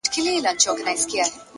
مثبت ذهن پر حل لارو تمرکز کوي!.